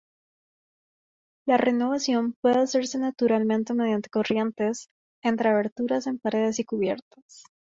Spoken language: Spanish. La renovación puede hacerse naturalmente mediante corrientes entre aberturas en paredes y cubiertas.